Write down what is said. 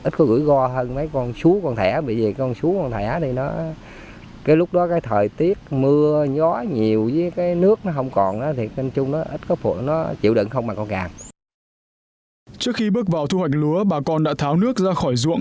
trước khi bước vào thu hoạch lúa bà con đã tháo nước ra khỏi dụng